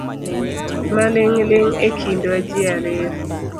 Maling’ling’ ekindwa ji ariyo